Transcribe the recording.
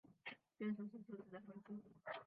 变数是数值的容器。